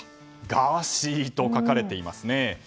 ガーシーと書かれていますね。